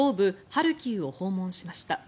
ハルキウを訪問しました。